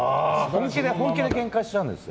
本気でけんかしちゃうんです。